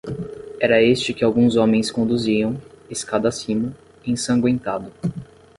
Era este que alguns homens conduziam, escada acima, ensangüentado.